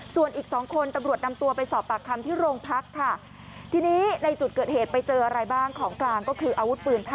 ส่วนอีก๒คนตำรวจนำตัวไปสอบปากคำที่โรงพักค่ะ